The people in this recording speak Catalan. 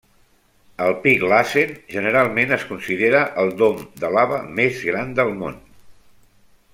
El Pic Lassen generalment es considera el dom de lava més gran del món.